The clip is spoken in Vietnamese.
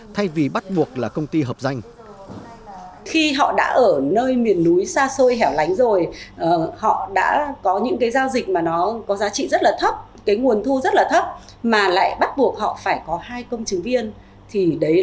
thay vì bắt buộc là công ty hợp danh